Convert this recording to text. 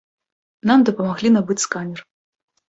Нам дапамаглі набыць сканер.